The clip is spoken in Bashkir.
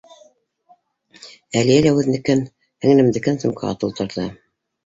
Әлиә лә үҙенекен, һеңлемдекен сумкаға тултырҙы.